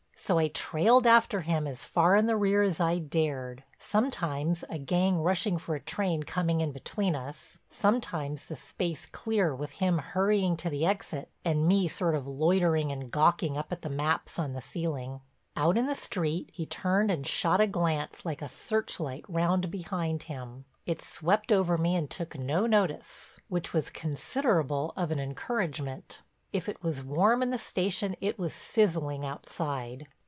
So I trailed after him as far in the rear as I dared, sometimes, a gang rushing for a train coming in between us, sometimes the space clear with him hurrying to the exit and me sort of loitering and gawking up at the maps on the ceiling. Out in the street he turned and shot a glance like a searchlight round behind him. It swept over me and took no notice, which was considerable of an encouragement. If it was warm in the station, it was sizzling outside.